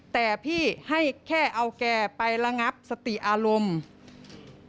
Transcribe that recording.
แต่พี่ให้แค่เอาแกไประงับสติอารมณ์